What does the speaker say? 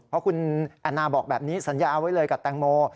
เพราะคุณแอนนาบอกแบบนี้สัญญาเอาไว้เลยกับแตงโม